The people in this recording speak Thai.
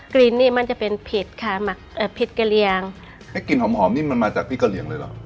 กลิ่นนี่มันจะเป็นเผ็ดค่ะหมักเอ่อเผ็ดกะเรียงไอ้กลิ่นหอมหอมนี่มันมาจากพริกกะเรียงเลยเหรอ